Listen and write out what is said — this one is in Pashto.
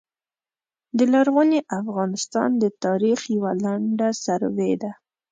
د لرغوني افغانستان د تاریخ یوع لنډه سروې ده